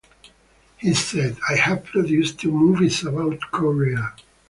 He said, I have produced two movies about Korea.